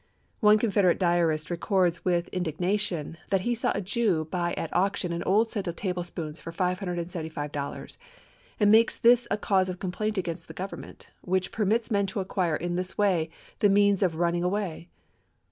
One Confederate diarist records with indig nation that he saw a Jew buy at auction an old set of tablespoons for $575, and makes this a cause of complaint against the Government, which permits men to acquire in this way the means of running away.